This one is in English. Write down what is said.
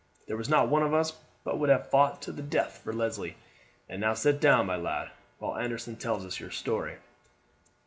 "There was not one of us but would have fought to the death for Leslie. And now sit down, my lad, while Anderson tells us your story."